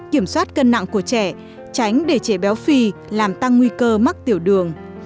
kiểm soát cân nặng của trẻ tránh để trẻ béo phì làm tăng nguy cơ mắc tiểu đường